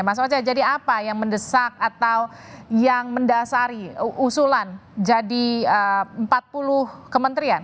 mas oce jadi apa yang mendesak atau yang mendasari usulan jadi empat puluh kementerian